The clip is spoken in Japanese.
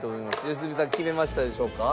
良純さん決めましたでしょうか？